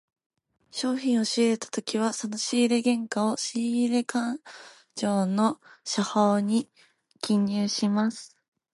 商品を仕入れたときはその仕入れ原価を、仕入れ勘定の借方に記入します。